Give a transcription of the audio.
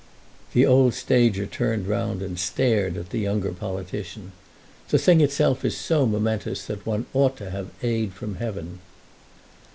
The old stager turned round and stared at the younger politician. "The thing itself is so momentous that one ought to have aid from heaven."